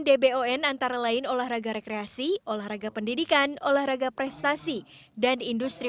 dbon antara lain olahraga rekreasi olahraga pendidikan olahraga prestasi dan industri